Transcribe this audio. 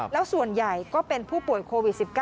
แล้วส่วนใหญ่ก็เป็นผู้ป่วยโควิด๑๙